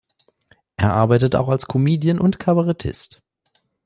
Er arbeitet auch als Comedian und Kabarettist.